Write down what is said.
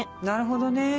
なるほどね